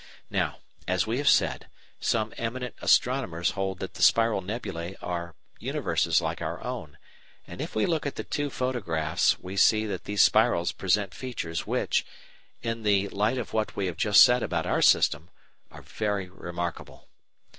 Now, as we have said, some eminent astronomers hold that the spiral nebulæ are universes like our own, and if we look at the two photographs (Figs. 25 and 26) we see that these spirals present features which, in the light of what we have just said about our system, are very remarkable.